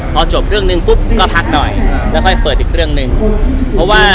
พอจบเรื่องหนึ่งปุ๊บก็พักหน่อยแล้วค่อยเปิดอีกเรื่องหนึ่งเพราะว่า